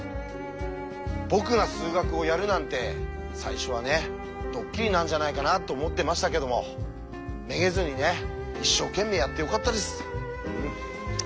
僕が数学をやるなんて最初はねドッキリなんじゃないかなと思ってましたけどもめげずにね一生懸命やってよかったです。